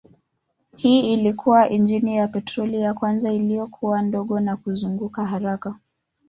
Hii ilikuwa injini ya petroli ya kwanza iliyokuwa ndogo na kuzunguka haraka.